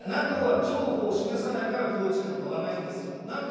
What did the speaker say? ＮＡＴＯは譲歩を示さないからプーチンがないんですよ。